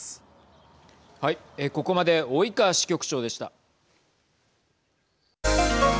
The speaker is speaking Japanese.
ここまで及川支局長でした。